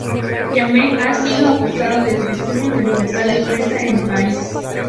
Jammeh ha sido acusado de restringir la libertad de prensa en el país.